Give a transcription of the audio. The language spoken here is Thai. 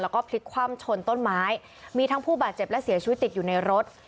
แล้วก็พลิกคว่ำชนต้นไม้มีทั้งผู้บาดเจ็บและเสียชีวิตติดอยู่ในรถ